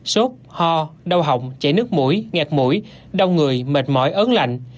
sốt ho đau họng chảy nước mũi nghẹt mũi đau người mệt mỏi ớn lạnh